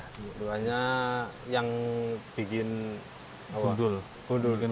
wilayahnya yang bikin gondul